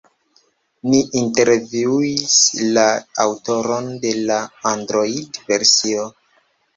Ni intervjuis la aŭtoron de la Android-versio.